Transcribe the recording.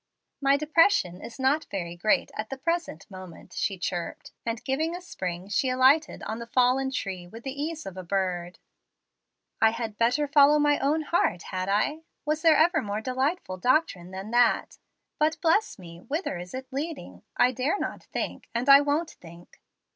"My 'depression' is not very great at the present moment," she chirped, and giving a spring she alighted on the fallen tree with the ease of a bird. "I had 'better follow my own heart,' had I? Was there ever more delightful doctrine than that? But, bless me, whither is it leading? I dare not think, and I won't think."